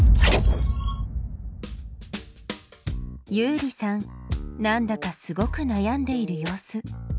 ユウリさんなんだかすごく悩んでいる様子。